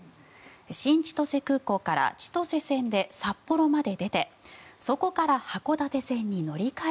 新千歳空港から千歳線で札幌まで出てそこから函館線に乗り換え